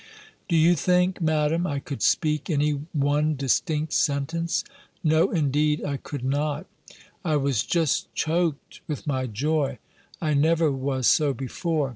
Do you think. Madam, I could speak any one distinct sentence? No indeed I could not. I was just choked with my joy; I never was so before.